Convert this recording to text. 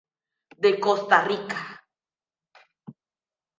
De Costa Rica.